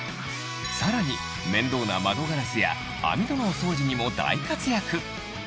さらに面倒な窓ガラスや網戸のお掃除にも大活躍